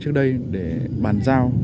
trước đây để bàn giao